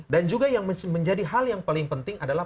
dan juga yang menjadi hal yang paling penting adalah